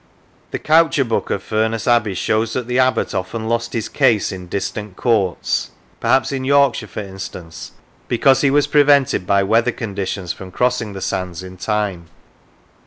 The coucher book of Furness Abbey shows that the Abbot often lost his case in distant courts (perhaps in Yorkshire, for instance) because he was prevented by weather conditions from crossing the sands in time.